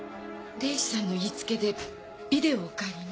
礼司さんの言いつけでビデオを借りに。